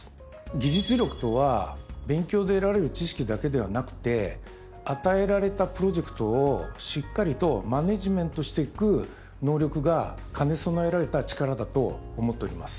技術力とは勉強で得られる知識だけではなくて与えられたプロジェクトをしっかりとマネジメントしていく能力が兼ね備えられた力だと思っております。